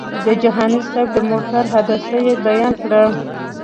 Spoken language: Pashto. د جهاني صاحب د موټر حادثه یې بیان کړه.